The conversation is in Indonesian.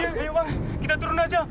oke bang kita turun aja